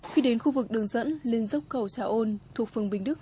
khi đến khu vực đường dẫn lên dốc cầu trà ôn thuộc phường bình đức